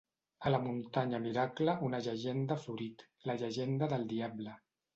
A la muntanya miracle una llegenda ha florit: la llegenda del diable.